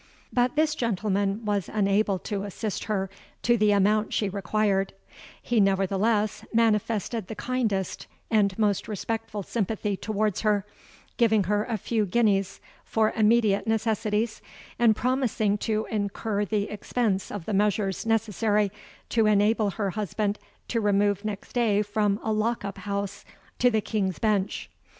But this gentleman was unable to assist her to the amount she required: he nevertheless manifested the kindest and most respectful sympathy towards her, giving her a few guineas for immediate necessities, and promising to incur the expense of the measures necessary to enable her husband to remove next day from a lock up house to the King's Bench.